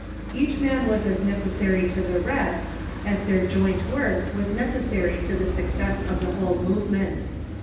Each man was as necessary to the rest as their joint work was necessary to the success of the whole movement.